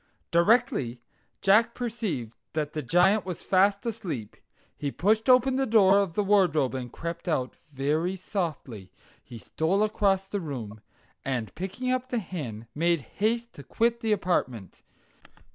Directly Jack perceived that the Giant was fast asleep, he pushed open the door of the wardrobe and crept out; very softly he stole across the room, and, picking up the hen, made haste to quit the apartment.